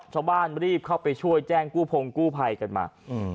ชาวบ้านรีบเข้าไปช่วยแจ้งกู้พงกู้ภัยกันมา